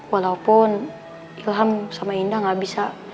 walaupun ilham sama indah gak bisa